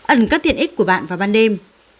ẩn các tiện ích của bạn vào ban đêm